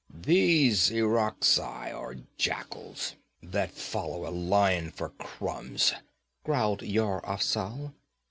'These Irakzai are jackals that follow a lion for crumbs,' growled Yar Afzal.